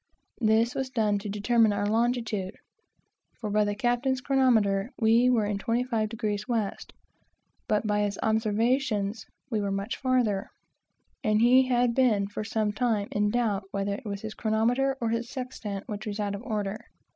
This was done to determine our longitude; for by the captain's chronometer we were in 25º W., but by his observations we were much farther, and he had been for some time in doubt whether it was his chronometer or his sextant which was out of order.